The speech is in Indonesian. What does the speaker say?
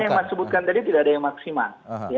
yang mas sebutkan tadi tidak ada yang maksimal